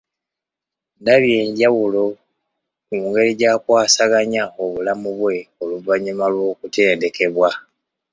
Ndabye enjawulo ku ngeri jakwasaganya obulamu bwe oluvannyuma lw'okutendekebwa ,